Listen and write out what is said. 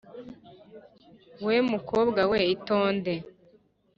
Wa mukobwa we, itonde !